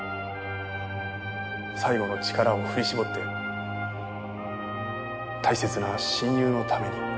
最後の力を振り絞って大切な親友のために。